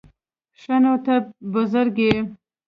_ښه نو، ته بزرګ يې؟